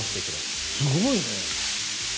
すごいね。